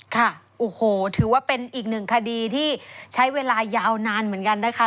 ค่ะโอ้โหถือว่าเป็นอีกหนึ่งคดีที่ใช้เวลายาวนานเหมือนกันนะคะ